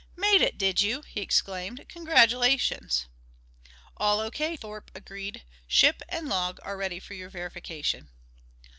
"Made it, did you?" he exclaimed. "Congratulations!" "All O.K.," Thorpe agreed. "Ship and log are ready for your verification."